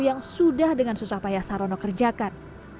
yang sudah dengan susah payah sarono kerjakan